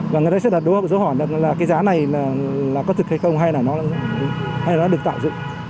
và người ta sẽ đặt đối hợp với dấu hỏi là cái giá này là có thực hay không hay là nó được tạo dựng